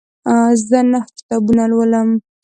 زه نهه کتابونه لولم.